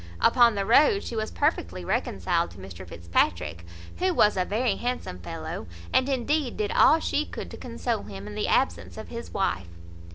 Upon the road she was perfectly reconciled to Mr Fitzpatrick, who was a very handsome fellow, and indeed did all she could to console him in the absence of his wife.